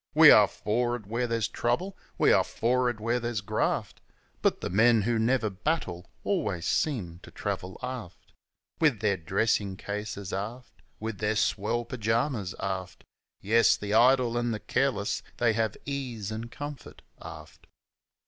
We are for'ard when there's trouble! We are for'ard when there's graft ! But the men who never battle always seem to travel aft ; With their dressin' cases, aft. With their swell pyjamas, aft Yes! the idle and the careless, they have ease an' comfort aft.